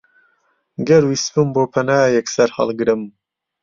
گەر ویستبم بۆ پەنایەک سەرهەڵگرم،